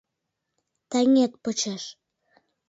Таҥет почеш!